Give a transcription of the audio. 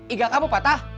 iga kamu patah